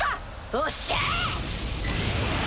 おっしゃ！